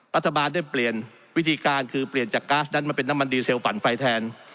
รัฐบาลได้เปลี่ยนวิธีการคือเปลี่ยนจากก๊าซนั้นมาเป็นน้ำมันดีเซลปั่นไฟแทน